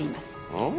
うん？